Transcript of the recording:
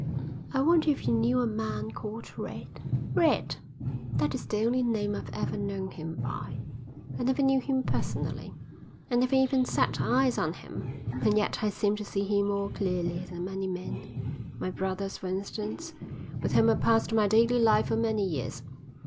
"I wonder if you knew a man called Red?" "Red?" "That is the only name I've ever known him by. I never knew him personally. I never even set eyes on him. And yet I seem to see him more clearly than many men, my brothers, for instance, with whom I passed my daily life for many years.